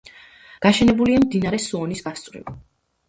გაშენებულია მდინარე სუონის გასწვრივ.